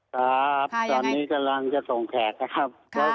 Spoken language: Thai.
ครับตอนนี้กำลังจะส่งแขกนะครับ